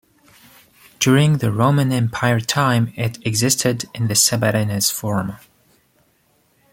During the Roman Empire time, it existed in the Sabbatinus form.